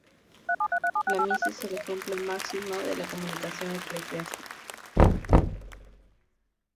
La misa es el ejemplo máximo de comunicación eclesiástica.